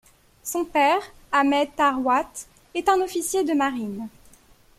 Son père, Ahmed Tharwat, est un officier de marine.